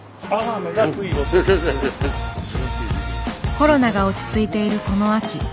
コロナが落ち着いているこの秋。